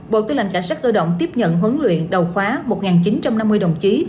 bộ tư lệnh cảnh sát cơ động tiếp nhận huấn luyện đầu khóa một chín trăm năm mươi đồng chí